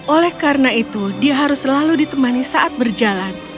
oleh karena itu dia harus selalu ditemani saat berjalan